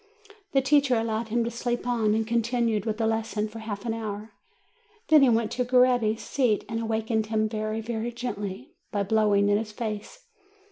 The teacher allowed him to sleep on, and continued with the lesson for half an hour. Then he went to Coretti's seat, and awakened him very, very gently, by blowing in his face.